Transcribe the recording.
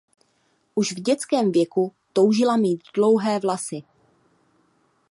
Už v dětském věku toužila mít dlouhé vlasy.